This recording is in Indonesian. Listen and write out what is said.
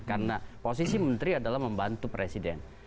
karena posisi menteri adalah membantu presiden